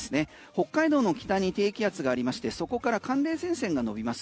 北海道の北に低気圧がありましてそこから寒冷前線が延びます。